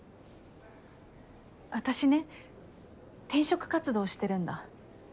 私ね転職活動してるんだ。